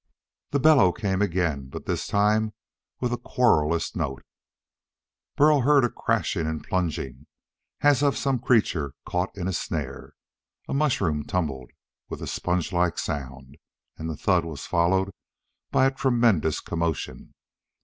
The bellow came again, but this time with a querulous note. Burl heard a crashing and plunging as of some creature caught in a snare. A mushroom tumbled with a spongelike sound, and the thud was followed by a tremendous commotion.